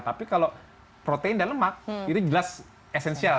tapi kalau protein dan lemak itu jelas esensial